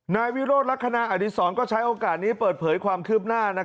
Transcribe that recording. นายวิโรธลักษณะอดีศรก็ใช้โอกาสนี้เปิดเผยความคืบหน้า